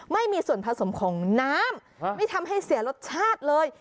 ไม่มีส่วนผสมของน้ำไม่ทำให้เสียรสชาติเลย